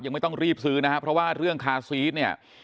ไม่ต้องรีบซื้อนะครับเพราะว่าเรื่องคาซีสเนี่ย